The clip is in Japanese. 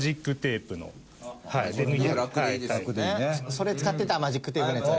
それ使ってたマジックテープのやつ。